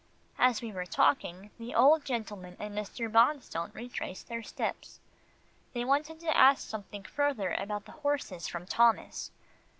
As we were talking, the old gentleman and Mr. Bonstone retraced their steps. They wanted to ask something further about the horses from Thomas.